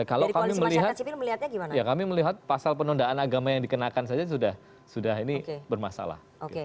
kalau kami melihat kami melihat pasal penundaan agama yang dikenakan saja sudah bermasalah